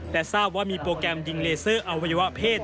แต่ทราบว่ามีโปรแกรมยิงเลเซอร์อวัยวะเพศ